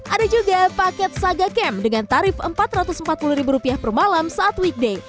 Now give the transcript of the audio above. ada juga paket saga camp dengan tarif rp empat ratus empat puluh per malam saat weekday